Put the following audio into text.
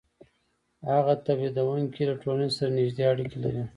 هغه تولیدونکی له ټولنې سره نږدې اړیکې لري